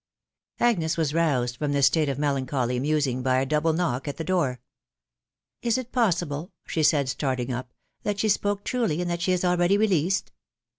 Aones was roused from this state of melancholy musing by a double knock at the door. "Is it possible," she said, starting up, " that she spoke truly, and that she is already released?"